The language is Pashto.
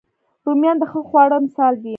رومیان د ښه خواړه مثال دي